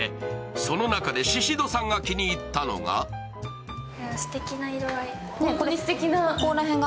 その中でシシドさんが気に入ったのがすてきな色合い。